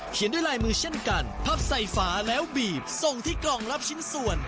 ด้วยลายมือเช่นกันพับใส่ฝาแล้วบีบส่งที่กล่องรับชิ้นส่วน